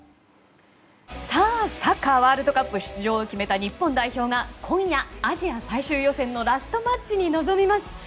サッカーワールドカップ出場を決めた日本代表が今夜、アジア最終予選のラストマッチに臨みます。